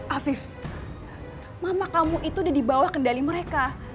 afif mama kamu itu udah di bawah kendali mereka